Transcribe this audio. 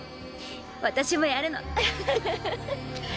私もやるの。